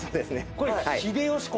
これ秀吉公？